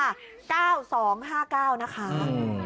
ห้าเก้าสองห้าเก้านะคะอืม